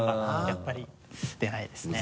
やっぱり出ないですね。